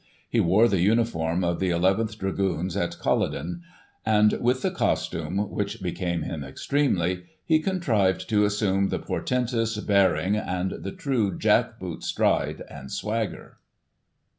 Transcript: He wore the uniform of the nth Dragoons at CuUoden ; and, with the costume, which became him extremely, he contrived to assume the portentous bearing, and the true jack boot stride and swagger."